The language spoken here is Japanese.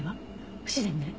不自然ね。